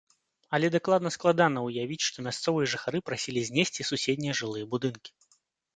Але дакладна складана ўявіць, што мясцовыя жыхары прасілі знесці суседнія жылыя будынкі.